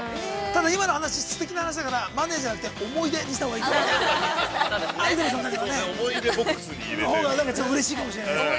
ただ、今の話、すてき話だから、マネーじゃなくて、思い出にしたほうがいいと思うよ。